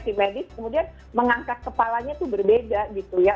tim medis kemudian mengangkat kepalanya itu berbeda gitu ya